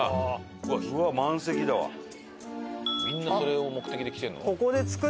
みんなそれを目的で来てるの？